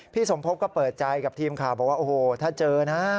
สมพบก็เปิดใจกับทีมข่าวบอกว่าโอ้โหถ้าเจอนะ